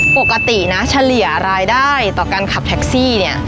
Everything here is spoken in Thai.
ปกตินะเฉลี่ยรายได้ต่อการขับแท็กซี่เนี่ย